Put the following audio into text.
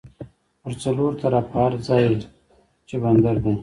پر څلور طرفه هر ځای چې بندر دی